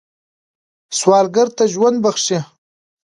سوالګر ته ژوند بخښئ